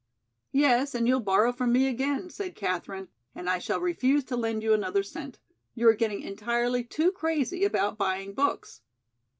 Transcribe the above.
"Yes, and you'll borrow from me again," said Katherine. "And I shall refuse to lend you another cent. You are getting entirely too crazy about buying books."